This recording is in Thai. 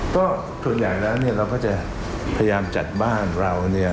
ก็ส่วนใหญ่แล้วเนี่ยเราก็จะพยายามจัดบ้านเราเนี่ย